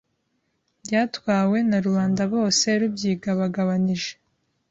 byatwawe na rubanda bose rubyigabagabanije